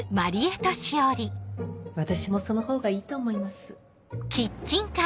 私もその方がいいと思います。